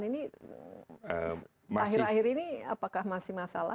ini akhir akhir ini apakah masih masalah